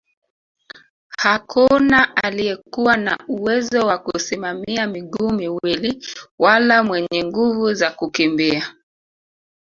Hakuna aliyekuwa na uwezo wa kusimamia miguu miwili wala mwenye nguvu za kukimbia